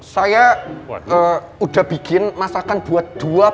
saya udah bikin masakan buat dua